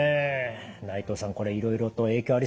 内藤さんこれいろいろと影響ありそうですね。